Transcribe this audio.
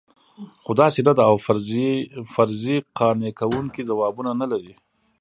خو داسې نه ده او فرضیې قانع کوونکي ځوابونه نه لري.